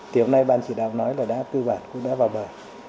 tiếp hôm nay ban chỉ đạo nói là đã cư bản cũng đã vào bờ